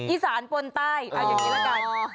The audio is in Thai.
อีสานปนใต้เอาอย่างนี้ละกัน